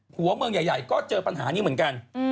หัวเมืองใหญ่ก็เจอปัญหานี้เหมือนกัน